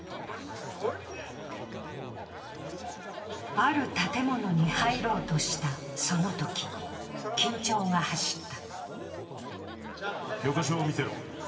ある建物に入ろうとした、そのとき、緊張が走った。